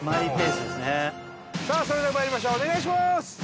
さあそれでは参りましょうお願いします！